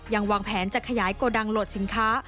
วางแผนจะขยายโกดังโหลดสินค้า